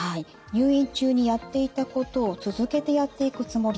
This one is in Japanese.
「入院中にやっていたことを続けてやっていくつもり」。